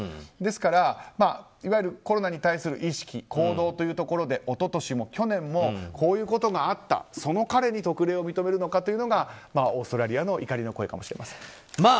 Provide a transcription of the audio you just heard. ですから、コロナに対する意識、行動で一昨年も去年もこういうことがあったその彼に特例を認めるのかというのがオーストラリアの怒りの声かもしれません。